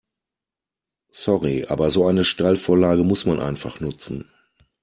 Sorry, aber so eine Steilvorlage muss man einfach nutzen.